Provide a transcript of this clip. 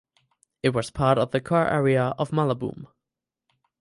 It was part of the core area of Mallabhum.